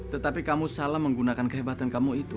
tetapi kamu salah menggunakan kehebatan kamu itu